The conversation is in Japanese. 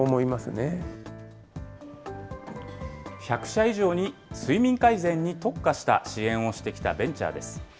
１００社以上に、睡眠改善に特化した支援をしてきたベンチャーです。